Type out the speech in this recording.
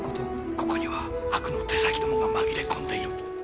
ここには悪の手先どもがまぎれ込んでいる。